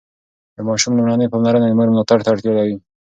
د ماشوم لومړني پاملرنه د مور ملاتړ ته اړتیا لري.